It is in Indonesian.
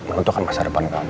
saya tunggu di kantor